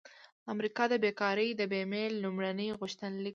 د امریکا د بیکارۍ د بیمې لومړني غوښتنلیکونه